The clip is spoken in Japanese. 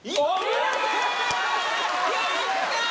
やったー！